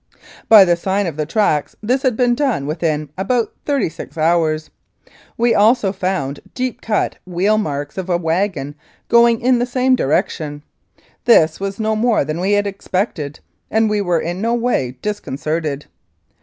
By the sign of the tracks this had been done within about thirty six hours. We also found deep cut wheel marks of a wagon going in the same direction. This was no more than we had ex pected, and we were in no way disconcerted.